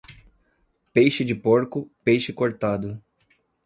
Peixe de porco, peixe cortado.